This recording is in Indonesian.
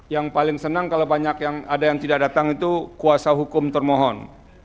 yang paling senang kalau banyak yang ada yang tidak datang itu kuasa hukum termohon